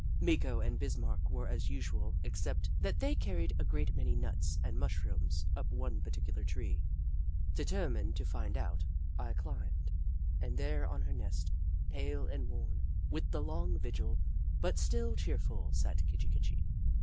Meeko and Bismarck were as usual, except that they carried a great many nuts and mush rooms up one particular tree. Determined to Kitchi Kitchi 103 find out, I climbed, and there on her nest, pale and worn with the long vigil, but still cheer ful, sat Kitchi Kitchi.